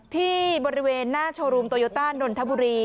ที่บริเวณหน้าโชว์รูมโตโยต้านนทบุรี